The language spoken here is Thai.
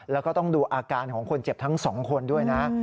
แล้วก็ต้องดูอาการของคนเจ็บทั้งสองคนด้วยนะ